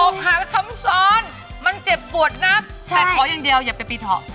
หาซ้ำซ้อนมันเจ็บปวดนักแต่ขออย่างเดียวอย่าไปปีเถาะ